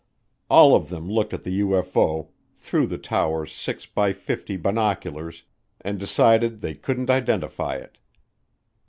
All of them looked at the UFO through the tower's 6 x 50 binoculars and decided they couldn't identify it.